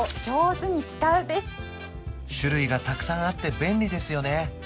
種類がたくさんあって便利ですよね